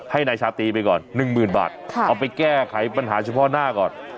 ให้นายชาตรีไปก่อน๑๐๐๐บาทเอาไปแก้ไขปัญหาเฉพาะหน้าก่อน